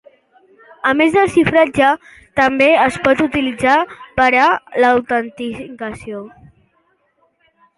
A més del xifratge, també es pot utilitzar per a l'autenticació.